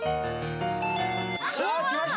さあきました。